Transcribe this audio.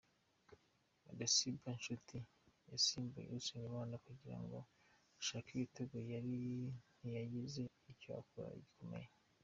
Idesbar Nshuti yasimbuye Usengimana kugira ngo bashake ibitego ariko ntiyagize icyo akora gikomeye.